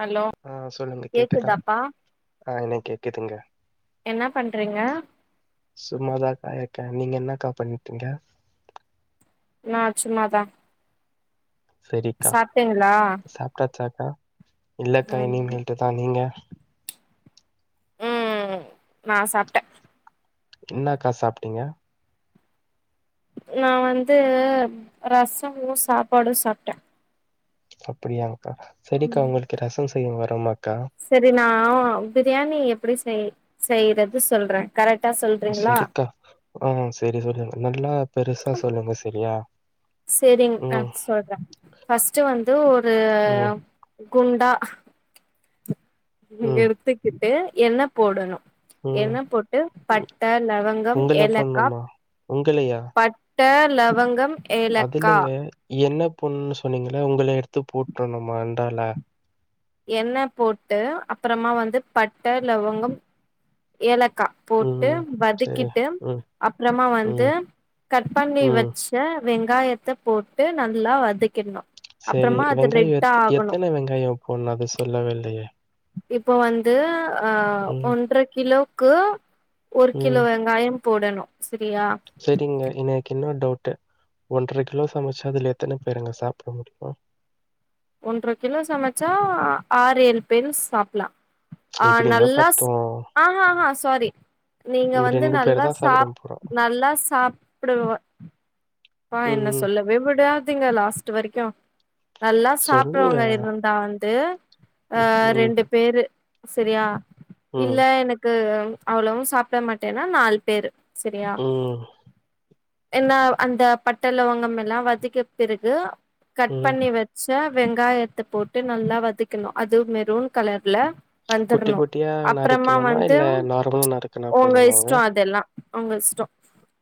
Hello ஆ சொல்லுங்க கேக்குதா கேக்குதாப்பா ஆ எனக் கேக்குதுங்க என்ன பண்றீங்க சும்மாதாக்கா இருக்கே நீங்க என்னக்கா பண்ணிட்டீங்க நா சும்மா தா சேரிக்கா சாப்ட்டாச்சா க்கா இல்லக்கா ம் இனிமேட்டுதா நீங்க ம் நா சாப்ட்டே என்னக்கா சாப்பிட்டீங்க நா வந்து ரசமு சாப்பாடு சாப்பிட்டே அப்டியாங்க்கா சரிக்கா ம் உங்களுக்கு ரச செய்ய வருமாக்கா சரி நா பிரியாணி எப்டி செய் செய்யறது சொல்றே கரெக்டா சொல் சரிக்கா ஆ செரி சொல்லு நல்லா பெருசா சொல்லுங்க சரியா செரிங்க ஆ ம் சொல்றே ஃபர்ஸ்ட் வந்து ஒரு ம் குண்டா ம் எத்துக்கிட்டு எண்ண போடணு ம் எண்ண போட்டு பட்டை லவங்கம் உங்கள ஏலக்கா போட்ணுமா உங்களையா பட் ட லவங்கம் ஏலக்கா அதுலங்க என்ன போடுனு சொன்னீங்கள உங்கள எடுத்து போட்ரணுமான்றால எண்ண போட்டு அப்பறமா வந்து பட்டை லவங்கம் ஏலக்கா போட்டு ம் சரி வதிக்கிட்டு ம் அப்பறமா வந்து ம் கட் பண்ணி ம் வச்சு கிற வெங்காயத்த போட்டு நல்லா வதகிறணு செரி வெங்காய எ எத்தனை வெங்காயம் போடனு அத சொல்லவே இல்லயே இப்ப வந்து அ ம், ஒன்றரை கிலோக்கு ஒரு கிலோ ம். வெங்காயம் போடணும் சரியா சரிங்க எனக்கு இன்னு டவுட்டு ஒன்றரை கிலோ சமைச்ச அதுல எத்தன பேருங்க சாப்பிட முடியு ஒன்ற கிலோ சமைச்சா ஆறு ஏழு பேரு சாப்பலா ஆ எப்படிங்க நல்லா பத்தும்? ஆஹ்ஹா சாரி நீங்க வந்து நல்லா பேர் தான் சாப்பிட சாப் போறோம். நல்லா சாப்பிடற அப்பா ம், என்ன ம். சொல்லவே விடாதீங்க லாஸ்ட் வரைக்கு நல்லா சொல்லுங்க. சாப்படறவங்க இருந்தா வந்து ஆ ம், ம், ரெண்டு பேரு செரியா ம், இல்ல எனக் கு அவ்வளவு சாப்பிட மாட்டேன்னா நாலு பேரு செரியா ம், என்னா அந்த பட்ட லவங்கம் எல்லா வதக்க பிறகு கட் ம். பண்ணி வெ ச்ச வெங்காயத்தை போட்டு நல்லா வதக்கணு அது மெரூன் கலர்ல குட்டி வந்துரணு குட்டியா அப்புறமா நறுக்கணுமா? வந்து இல்ல நார்மலா நறுக்குனா உங்க போதுமாங்க? இஷ்டோ அதெல்லா அவங்க இஷ்டோ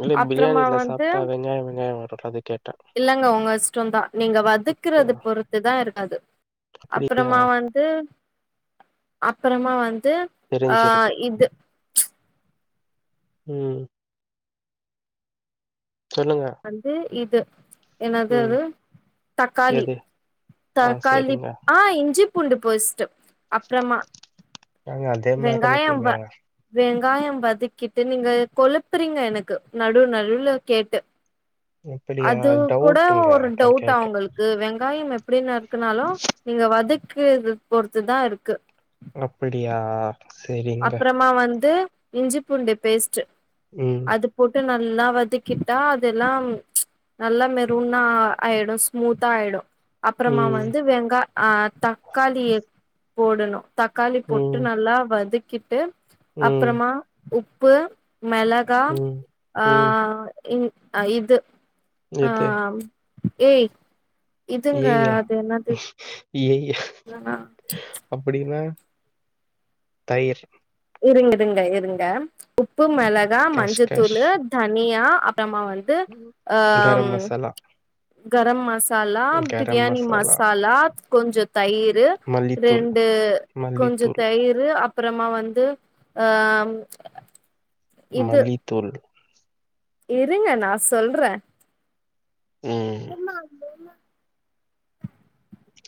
இல்ல அப்புறமா பிரியாணியில சாப்பிட்டா வெங்காய வெங்காயம் வரும்ல அது கேட் இல்லைங்க உங்க இஷ்ட தா நீங்க அப்படியா? வதக்கறத பொறுத்து தா இருக்காது அப்படியா? அப்புறமா வந் து அப்பறமா வந்து ஆ தெரிஞ்சிருக்கு இது ம் சொல்லுங்க வந்து இது என்னது ம். அது தக்காளி எது? ஆ தக்காளி சரிங்க. ஆ இஞ்சி பூண்டு போஸ்ட்டு அப்றமா ஏங்க அதே வெங்காயம் மறந்துட்டீங்க வ வெங்காயம் வதக்கிட்டு நீங்க கொழுப்புறீங்க எனக்கு நடு நடுவ்ல கேட்டு அப்படியா அதுவு கூட டவுட்டுங்க ஒரு அதா டவுடா கேட்டே உங்களுக் வெங்காயம் எப்டின்னு நறுக்குனாலு நீங்க வதக்குறத பொறுத்து தா இருக்கு அப்டியா அப்புறமா வந்து இஞ்சி பூண்டு பேஸ்ட் ம் அது போட்டு நல்லா வதக்கிட்டா அதெல்லாம் நல்லா மெருன்னா ஆயிடு ஸ்மூத்தா ஆயிடு அப்புறமா ம் வந்து வெங்காய் அ தக்காளி போடணு தக்காளி போட்டு ம் நல்லா வதக்கிட்டு ம் அப்புறமா உப்பு மெள கா ம் ஆ ம் இது ஆ எது ஏய் இதுங்க ஏய் யா ஏய் இவனா அப்படின்னா தயிர் இருங்க இருங்க இருங்க உப்பு மெளகா கஷ்கஷ் மஞ்சத்தூளு தனியா அப்புறமா வந் து ஆ கரம் மசாலா கரம் மசாலா பிரியாணி மசாலா கொஞ்ச தயிரு மல்லித்தூள் ரெண்டு கொஞ்ச மல்லித்தூள் தயிரு அப்புறமா வந்து ஆ இது மல்லித்தூள் இருங்க நா சொல்ற ம்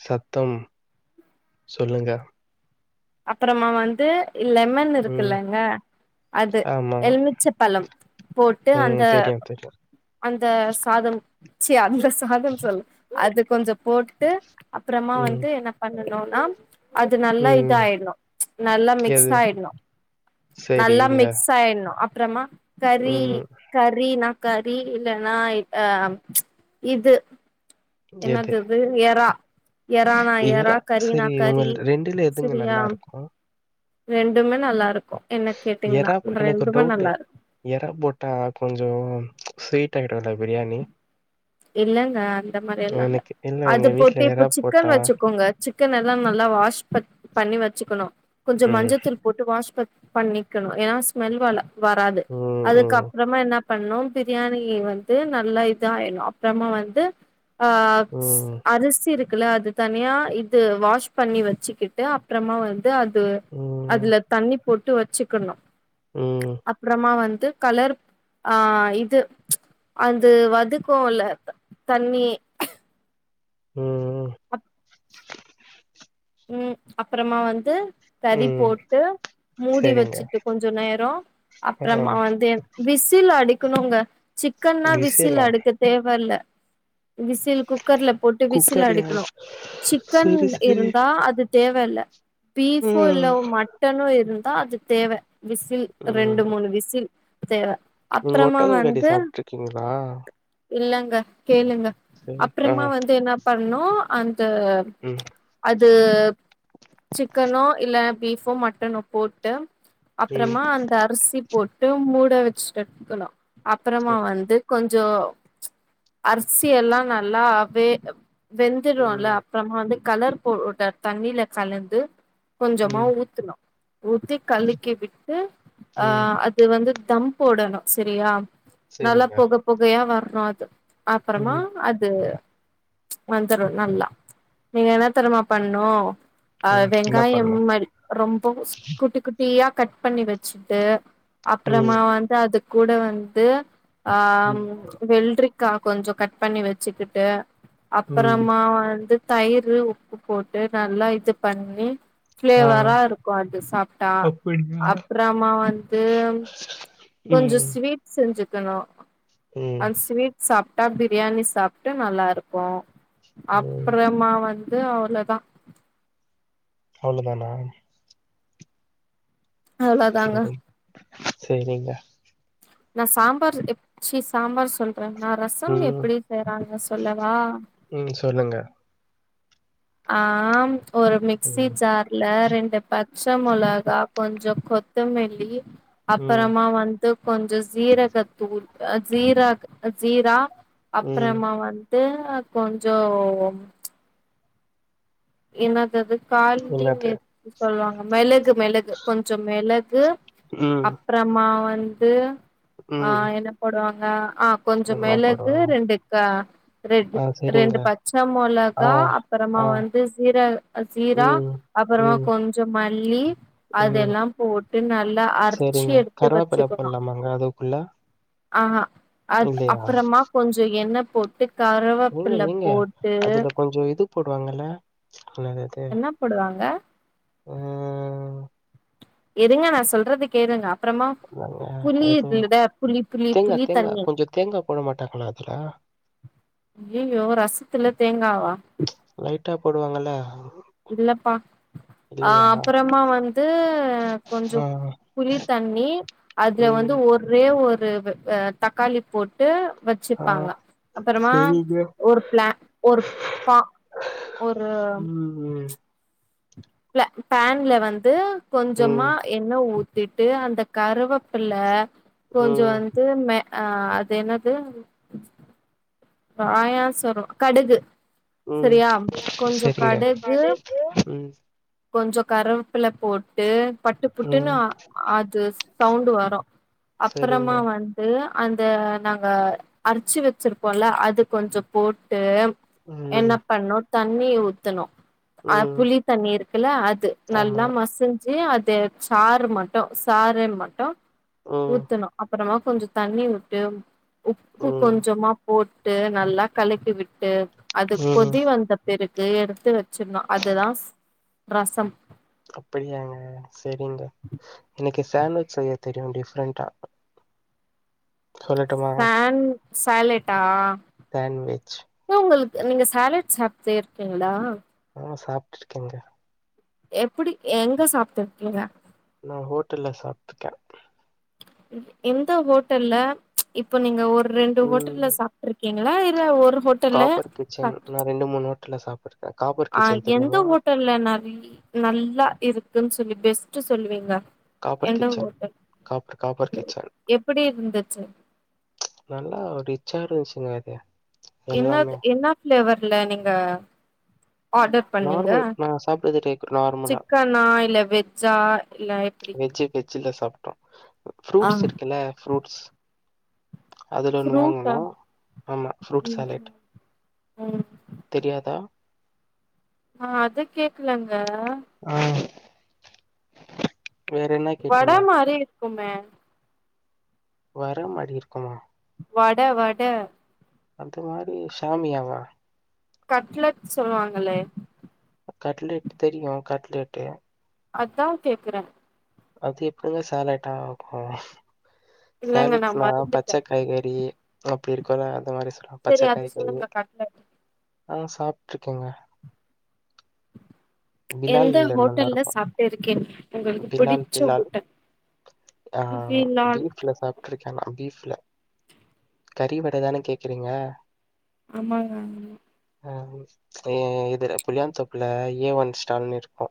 சத்தம் சொல்லுங்க அப்புறமா வந்து லெமன் ம் இருக்குல்லங்க அது ஆமா எலுமிச்ச பழம் போட்டு ம் அந்த தெரியு தெரியு அந்த சாதம் அந்த சாதம் சொல்ல அது கொஞ்சம் போட்டு அப்புறமா ம் வந்து என்ன பண்ணணும்னா அது நல்லா ம் இதயிட்ணு நல்லா மிக்ஸ் எது ஆயிட்ணு நல்லா சரிங்க மிக்ஸ் ஆயிடணு அப்புறமா கறி ம் கறி ந அப்படி இல்லன்னா அ இது எது என்னது இது எறா இறானா எறா இறா கறினா சரி கறி உங்கள் எதுங்க சரியா நல்லாருக்கும்? ரெண்டுமே நல்லா இருக்கு என்ன கேட்டீங்கன்னா ரெண்டுமே நல்லா இருக்கு இறா போட்டா கொஞ்சோ ஸ்வீட் ஆகிடோல பிரியாணி இல்லங்க அந்த மாரிலா இல்ல எனக்கு அது எங்க வீட்ல போட்டு இப்ப எறா சிக்கன் போட்டா வச்சுக்கோங்க சிக்கன் எல்லா நல்லா வாஷ் ப பண்ணி வச்சுக்கணு கொஞ்ச ம், மஞ்சத்தூள் போட்டு வாஷ் பண்ணிக்கணு ஏன்னா ஸ்மெல் வராது ம், அதுக்கப் ம், பறமா என்ன பண்ணு பிரியாணி வந்து நல்லா இத ஆயிடு அப்றமா வந்து ஆப்ஸ் ம், அரிசி இருக்குல அது தனியா இது வாஷ் பண்ணி வச்சுக்கிட்டு அப்றமா வந்து அது ம் அதுல தண்ணி போட்டு வச்சுக்கணு ம் அப்பறமா வந்து கலர் ஆ இது அந்த வதுக்கோல தண்ணி ம் அ ம் அப்பறமா வந்து கறி ம். போட்டு மூடி சரிங்க. வச்சுட்டு கொஞ்ச நேரோ ஆ அப்பறமா வந்து விசில் அடிக்கணுங்க சிக்கன்னா விசில் விசிலா? அடிக்க தேவல்ல விசில் குக்கர்ல போட்டு விசில் குக்கர்லயா? அடிக்ணு சிக்கன் சரி, சரி. இருந் தா அது தேவ இல்ல ஆ. பீஃபு இல்ல மட்டனு இருந்தா அது தேவ விசில் ரெண்டு ம். மூணு விசில் தேவ நீங்க அப்புறமா ஒட்டகம் கறி வந்து சாப்ட்டுருக்கீங்களா இல்லங்க கேளுங்க சரி. ஆ. அப்புறமா வந்து என்ன பண்ணோ அந்த ம் அது சிக்கனோ இல்ல பீஃபோ மட்டனோ போட்டு ம். அப்புறமா அந்த அரிசி போட்டு மூட வெச்சுட்டெடுக்கணு அப்புறமா சரி. வந்து கொஞ்சோ அரிசியெல்லா நல்லா வே வெந்துருல ம், அ ப்ப நம்ப வந்து கலரு போட்ட தண்ணில கலந்து கொஞ்சமா ம், ஊத்துனு ஊத்தி கலக்கி விட்டு ஆ ம். அ து வந்து தம் போடணு செரியா நல்லா சரிங்க. பொக பொகயா வரணு அது ம். அப்புறமா அது வந்துரு நல்லா நீங்க என்ன தெரிமா பண்ணு அ ம் என்ன வெங்காயம் பண்ணு மாரி ரொம்போ சு குட்டி குட்டியா கட் பண்ணி வெச்சுட்டு ம் அப்புறமா வந்து அது கூட வந்து ஆ ம் வெள்ட்ரிக் க்கா கொஞ்சோ கட் பண்ணி வெச்சுக்கிட்டு ம் அப்புறமா வந்து தயிரு உப் பு போட்டு நல்லா இது பண்ணி ஆ ஃப்ளேவரா இருக்கு அது சாப்ட்டா அப்படியா அப்புறமா வந்து கொஞ்சு ம் ஸ்வீட் செஞ்சுக்கணு ம் அந் ஸ்வீட் சாப்ட்டா பிரியாணி சாப்ட்டு நல்லாருக்கு ம் அப்புறமா வந் து அவ்ளதா அவ்ளதானா அவ்ளோதாங்க செரி செரிங்க நா சாம்பாரு எ சி சாம்பார் சொல்ற நா ரசம் ம் எப்படி செய்யறாங்க சொல்லவா ம் சொல்லுங்க ஆம் ஒரு மிக்ஸி ம் ஜார்ல ரெண்டு ப ச்சா மொளகா கொஞ்சு கொத்த மெல்லி ம் அப்பறமா வந் து கொஞ்சு சீரக தூள் அ சீர அ சீரா ம் அப்பறமா வந்து து கொஞ்சோ ஒ இன்னாதது கால் [unintelligible] என்னது எது சொல்லுவாங்க மெளகு மெளகு கொஞ்சு மெளகு ம் அ ப்பறமா வந்து ஆ ம் என்ன போடுவாங்க ஆ கொஞ்சு என்ன மெளகு போடுவாங்க ரெண்டு கா ரெட் ஆ சரிங்க ரெண்டு பச்ச ஆ மொளகா அப்பறமா ஆ வந் து சீர அத் சீரா ம் அப்பறமா ம் கொஞ்சு மல்லி ம் அதெல்லா போட்டு நல்லா அரச்சி சரிங்க எடுத்து கருவேப்பில வச்சுக்கணு போடலாமாங்க அதுக்குள்ள ஆஹா அத் இல்லையா அப்பறமா கொஞ்சு எண்ணெ போட்டு ஏங்க கருவேப்பில்ல ஏங்க போட்டு அதுல கொஞ்சோ இது போடுவாங்கல்ல இன்னாதது என்ன போடுவாங்க ம் இருங்க நா சொல்றது கேளுங்க அ ப்பறமா என்னங்க புளி எதுவு இதுங்கித புளி புளி தேங்கா புளி தேங்கா தண்ணி கொஞ்சோ தேங்கா போட மாட்டாங்களா அதுல அய்யியோ ரசத்துல தேங்காவா லைட்டா போடுவாங்கல இல்லப்பா அ அப்பறமா வந்து கொஞ்சோ ஆ புளி தண்ணி அதுல வந்து ம் ஒரே ஒரு வ அ தக்காளி போ ட்டு ஆ வெச்சிப்பாங்க அப்பறமா செரிங்க ஒரு பிளா ஒரு பா ஒரு ம். இல பேன்ல வந்து கொஞ்சமா ம் என்ன ஊத்திட்டு அந்த கருவப்பில்ல கொஞ்சோ ம் வந் து மெ அ அது என்னது பாயாசுரோ கடுகு ம் செரியாம் கொஞ்சோ செரிங்க கடுகு ம் கொஞ்சோ கருவப்பில போட்டு பட்டு புட்டுன்னு ம் அ அது சவுண்டு வரு செரிங்க அப்பறமா வந் து அந்த நாங்க அரிச்சி வெச்சிருப்போல்ல அது கொஞ்சோ போட்டு என்ன ம் பண்ணு தண்ணிய ஊத்தணு அ ம் புளி தண்ணி இருக்குல்ல அது. ஆமா நல்லா மசிஞ்சு அது சாறு மட்டு சாறே மட்டு ம் ஊத்தணு. அப்பறமா கொஞ்சோ தண்ணி உட்டு உப்பு ம் கொஞ்சமா போட் டு நல்லா கலக்கி விட்டு அது ம் கொதி வந்தப் பிறக்கு எடுத்து வெச்சிர்ணு அதுதாஸ் ரசம். அப்படியாங்க செரிங்க எனக்கு சேண்ட்விச் செய்ய தெரியு டிஃப்ரெண்ட்டா. ஃபேன் சேலெட்டா தேன்வெஜ் போ உங்குளுக் நீங்க சேலெட் சாப்டே இருக்கிங்களா? ம் சாப்ட்ருக்கேங்க. எப்பிடி எ எங்க சாப்ட்டுருக்கீங்க? நா ஹோட்டெல்ல சாப்ட்டுக்கே. இவ் எந்த ஹோட்டல்ல? இப்போ நீங்க ஒர் ரெண்டு ஹோட்டல்ல ம் சாப்ட்ருக்கிங்களா இல்ல ஒரு ஹோட்டெல்ல சாப்ட்ர் ரெண்டு மூணு ஹோட்டல்ல சாப்புருக்கே. காப்பர் கிச்சன் தெரியுமா? இல்ல நறிய் நல்லா இருக்குன் சொல்லி பெஸ்ட்டு சொல்லுவீங்க. காப்பர் எந்த கிச்சன் ஹோட்டல்? காப்பர் காப்பர் எ கிச்சன். எப்பிடி இருந்துச்சு? நல்லா ரிச்சா இருஞ்ச்சுங்க அது. என்னாது எல்லாமே. என்னா ஃபிளேவர்ல நீங்க ஆடர் பண்ணீங்க. நார்மல் நான் சாப்பிட்டது ரெகு நார்மலா. சிக்கனா இல்ல வெஜ்ஜா இல்ல எப் வெஜ் வெஜ்ஜுல சாப்ட்டோ. ஃப்ரூட்ஸ் இருக்குல்ல ஃப்ரூட்ஸ் அதுல ஒன்னு ஃப்ரூட்டா வாங்கணு ஆமா ஃப்ரூட் ம் சாலேட். ம் தெரியாதா? நா அது கேக்கலங்க. அ வட மாரி இருக்குமே. வர மாரி இருக்குமா? வட வட. அந்த மாரி சாமியாவா? கட்லெட் சொல்லுவாங்களே. கட்லெட் தெரியு கட்லெட்டு. அதா கேக்குறே அது எப்டிங்க சேலட் ஆகு இல்லங்க நா சேலட்னா மறந்துட்டே பச்ச காய்கறி அப்டி இருக்குல அந்த மாரி சொல்ற செரி பச்ச அது காய்கறி சொல்லுங்க கட்லட் ஆ சாப்ட்ருக்கேங்க எந்த பிலால்ல ஹோட்டல்ல நல்லாருக்கும். சாப்ட்டு இருக்கேன் உங்களுக் பிலால், பிடிச்ச பிலால். ஹோட்டல் ஆ பிலால். வீட்ல சாப் [unintelligible] பீஃப்ல கறி வடைய தான கேக்குறீங்க ஆமாங்க அ ஏ இதுல புளியந்தோப்புல ஏ ஒன் ஸ்டால்ன்னு இருக்கு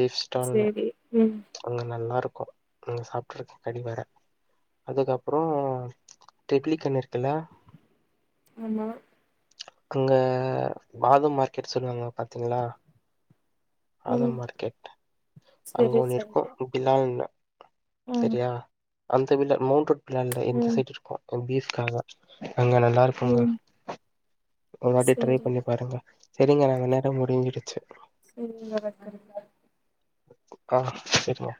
பீஃப் ஸ்டால்ன்னு செரி ம் அங்க நல்லாருக்கு அங்க சாப்ட்ருக்கே கடி வட அதுக்கப்றோ ட்ரிப்ளிகன் இருக்குல ஆமா அங்க வாதம் மார்க்கெட் சொல்லுவாங்க பாத்தீங்களா ம் ஆதம் மார்க்கெட் அங்க செரி ஒன்னு இருக்கு செரி [unintelligible] ம் சரியா அந்த வில மூண்ட்ரோட் பின்னாடில இந்த ம் சைட்ருக்கு பீஃப்காக அங்க நல்லாரு ம் [inaudible] ஒரு வாட்டி ட்ரை செரிங்க பண்ணி பாருங்க செரிங்க நம்ம நேரம் முடிஞ்சிடுச்சு [unintelligible] ஆ செரிங்க